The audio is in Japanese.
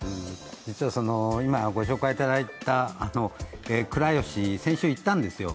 実は今ご紹介いただいた倉吉、先週行ったんですよ。